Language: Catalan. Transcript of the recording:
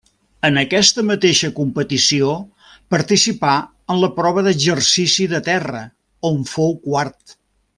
En aquesta mateixa competició participà en la prova d'exercici de terra, on fou quart.